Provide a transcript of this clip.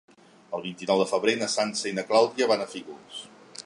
El vint-i-nou de febrer na Sança i na Clàudia van a Fígols.